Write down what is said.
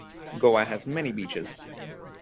Goa has many beaches.